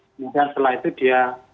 kemudian setelah itu dia